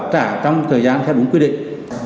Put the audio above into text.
cả trong thời gian theo đúng quy định